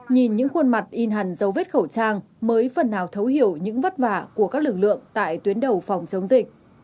nhìn những khuôn mặt in hẳn dấu vết khẩu trang mới phần nào thấu hiểu những vất vả của các lực lượng tại tuyến đầu phòng chống dịch